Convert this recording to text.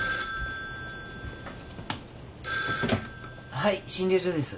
・☎はい診療所です。